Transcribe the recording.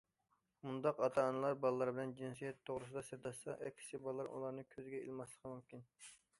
مۇنداق ئاتا- ئانىلار بالىلار بىلەن« جىنسىيەت» توغرىسىدا سىرداشسا، ئەكسىچە بالىلار ئۇلارنى كۆزگە ئىلماسلىقى مۇمكىن.